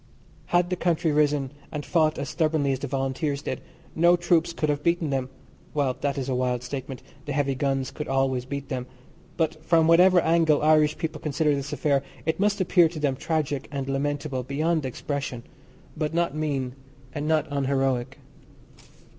Had the country risen, and fought as stubbornly as the Volunteers did, no troops could have beaten them well that is a wild statement, the heavy guns could always beat them but from whatever angle Irish people consider this affair it must appear to them tragic and lamentable beyond expression, but not mean and not unheroic.